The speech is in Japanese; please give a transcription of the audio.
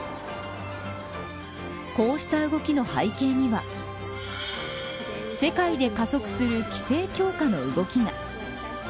こうした動きの背景には世界で加速する規制強化の動きが。